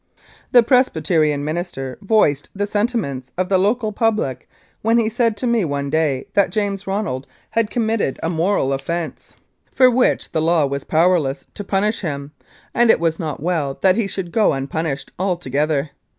The Presbyterian minister voiced the sentiments of the local public when he said to me one day that James Ronald had committed a moral offence 269 Mounted Police Life in Canada for which the law was powerless to punish him, and it was not well that he should go unpunished altogether.